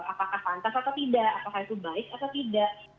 apakah pantas atau tidak apakah itu baik atau tidak